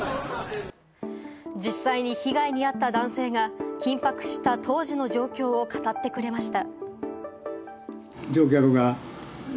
実際に被害に遭った男性が緊迫した当時の状況を語ってくれました。